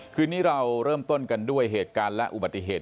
คืนนี้เราเริ่มต้นกันด้วยเหตุการณ์และอุบัติเหตุ